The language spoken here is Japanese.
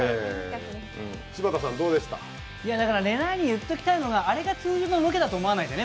れなぁに言っておきたいのは、あれが通常のロケだと思わないでね。